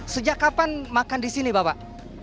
sejak kapan makan di sini bapak